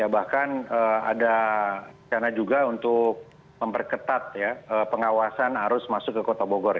bahkan ada cara juga untuk memperketat pengawasan arus masuk ke kota bogor